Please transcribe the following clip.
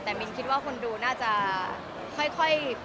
แต่มินคิดว่าคนดูน่าจะค่อย